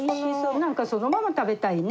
何かそのまま食べたいね。